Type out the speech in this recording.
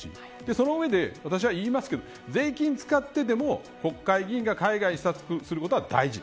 その上で私は言いますけど税金を使ってでも国会議員が海外視察することは大事。